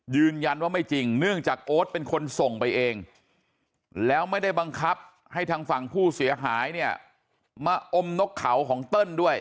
ยืนยันว่าไม่จริงเนื่องจากโอ๊ตเป็นคนส่งไปเองแล้วไม่ได้บังคับให้ทางฝั่งผู้เสียหายเนี่ยมาอมนกเขาของเติ้ลด้วย